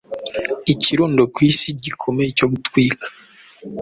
Ikirundo ku isi gikomeye cyo gutwika